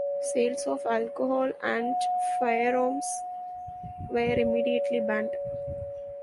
Sales of alcohol and firearms were immediately banned.